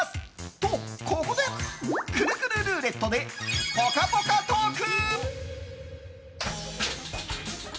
と、ここでくるくるルーレットでぽかぽかトーク。